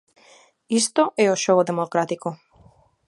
Isto é o xogo democrático.